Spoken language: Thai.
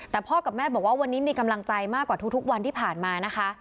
แต่พ่อกับแม่บอกว่าวันนี้มีกำลังใจมากกว่าทุกวันที่ผ่านมานะคะ